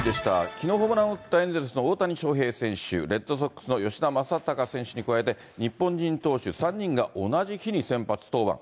きのうホームランを打ったエンゼルスの大谷翔平選手、レッドソックスの吉田正尚選手に加えて、日本人投手３人が同じ日に先発登板。